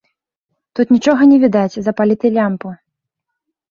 Тут нічога не відаць, запалі ты лямпу!